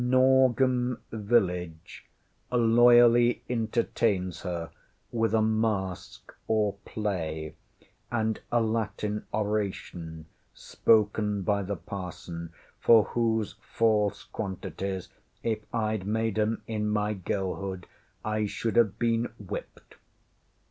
ŌĆśNorgem village loyally entertains her with a masque or play, and a Latin oration spoken by the parson, for whose false quantities, if IŌĆÖd made ŌĆśem in my girlhood, I should have been whipped.